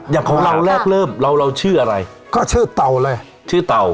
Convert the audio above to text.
อย่างของเราแรกเริ่มเราเราชื่ออะไรก็ชื่อเต่าเลยชื่อเต่า